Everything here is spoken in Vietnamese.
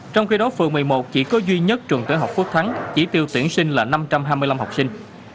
trong khi đó phường một mươi một chỉ có duy nhất trường tiểu học phước thắng chỉ tiêu tuyển sinh là năm trăm hai mươi năm học sinh